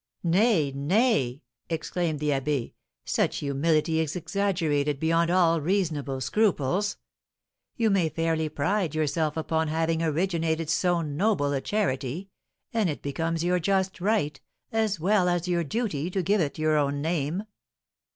"Nay, nay!" exclaimed the abbé, "such humility is exaggerated beyond all reasonable scruples. You may fairly pride yourself upon having originated so noble a charity, and it becomes your just right, as well as your duty, to give it your own name."